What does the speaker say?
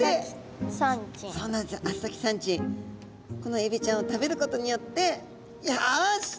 このエビちゃんを食べることによってよし！